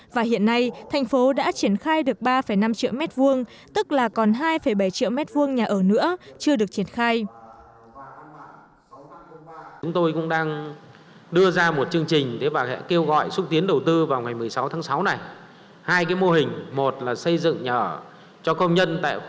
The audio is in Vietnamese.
và hiện nay thành phố đã triển khai được ba năm triệu m hai tức là còn hai bảy triệu m hai nhà ở nữa chưa được triển khai